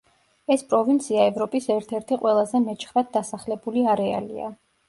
ეს პროვინცია ევროპის ერთ-ერთი ყველაზე მეჩხრად დასახლებული არეალია.